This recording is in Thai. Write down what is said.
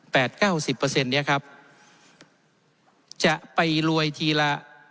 เก้าสิบเปอร์เซ็นต์เนี้ยครับจะไปรวยทีละ